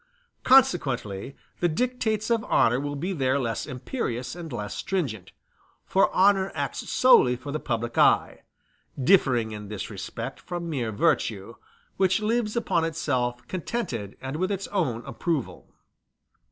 Consequently the dictates of honor will be there less imperious and less stringent; for honor acts solely for the public eye differing in this respect from mere virtue, which lives upon itself contented with its own approval.